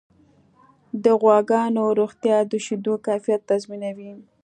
د غواګانو روغتیا د شیدو کیفیت تضمینوي.